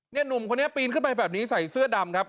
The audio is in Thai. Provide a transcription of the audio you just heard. หนุ่มคนนี้ปีนขึ้นไปแบบนี้ใส่เสื้อดำครับ